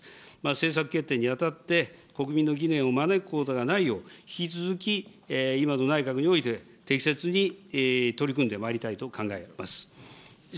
政策決定にあたって、国民の疑念を招くことがないよう、引き続き今の内閣において、適切に取り組んでまいりたいと考えます。